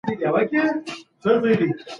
ځيني لارښووني تر واده مخکي ضروري دي.